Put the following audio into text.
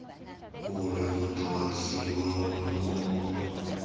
俺のとは違うなあ。